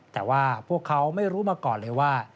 แต่ว่าพวกเขาไม่รู้มาก่อนเลยว่า